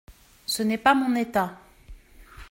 Ce n’est pas mon état.